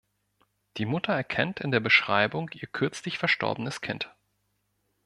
Die Mutter erkennt in der Beschreibung ihr kürzlich verstorbenes Kind.